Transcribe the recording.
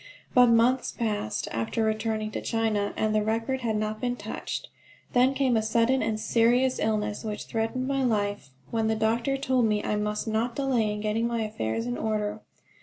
But months passed after returning to China, and the record had not been touched. Then came a sudden and serious illness which threatened my life, when the doctor told me I must not delay in getting my affairs in order.